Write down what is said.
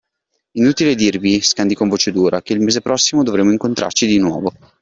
Inutile dirvi – scandì con voce dura – che il mese prossimo dovremo incontrarci di nuovo.